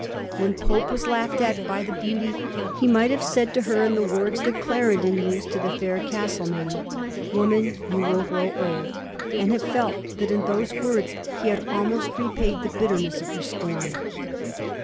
When Pope was laughed at by the beauty, he might have said to her in the wonis that Clarendon used to the feir Castlemaine, ' Woman, you will grow old,' and have felt that in those words he had almost repaid the bitterness of her scorn.